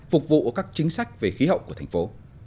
phục vụ các chính sách về khí hậu của thành phố